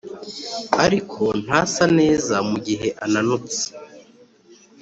ariko ntasa neza mugihe ananutse